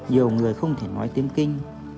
nhiều người không thể nói tiếng kinh